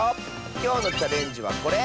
きょうのチャレンジはこれ！